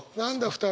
２人。